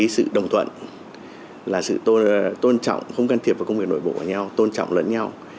sự đồng thuận là sự tôn trọng không can thiệp vào công việc nội bộ của nhau tôn trọng lẫn nhau